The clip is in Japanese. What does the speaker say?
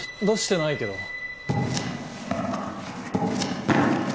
出してないけど。